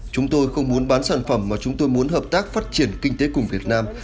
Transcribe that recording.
chúng tôi không muốn bán sản phẩm mà chúng tôi muốn hợp tác phát triển kinh tế cùng việt nam